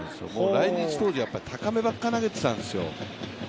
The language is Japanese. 来日当時は高めばっか投げてたんですよ。